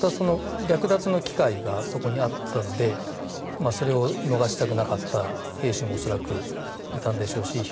また、略奪の機会がそこにあったのでそれを逃したくなかった兵士も恐らく、いたんでしょうし。